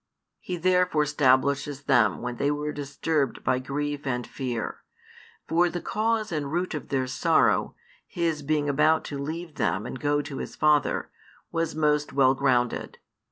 He therefore stablishes them when they were disturbed by grief and fear. For the cause and root of their sorrow, His being about to leave them and go to His Father, was most well grounded.